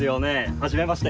はじめまして。